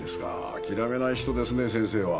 あきらめない人ですね先生は。